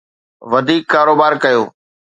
وڌيڪ ڪاروبار ڪيو.